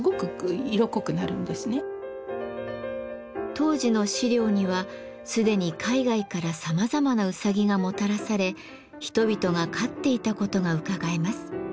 当時の資料にはすでに海外からさまざまなうさぎがもたらされ人々が飼っていたことがうかがえます。